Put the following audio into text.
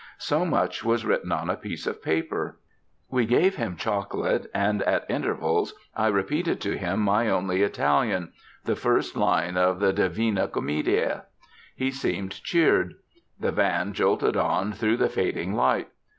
So much was written on a piece of paper. We gave him chocolate, and at intervals I repeated to him my only Italian, the first line of the Divina Commedia. He seemed cheered. The van jolted on through the fading light.